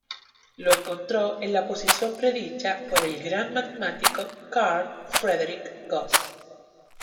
Lo encontró en la posición predicha por el gran matemático Carl Friedrich Gauss.